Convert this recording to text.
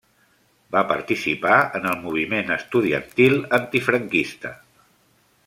Va participar en el moviment estudiantil antifranquista.